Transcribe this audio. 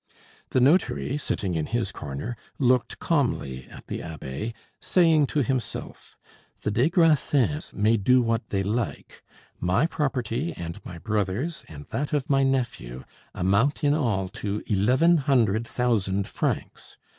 The notary, sitting in his corner, looked calmly at the abbe, saying to himself: "The des Grassins may do what they like; my property and my brother's and that of my nephew amount in all to eleven hundred thousand francs.